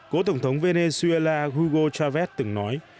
cố tổng thống venezuela hugo chavez từng nói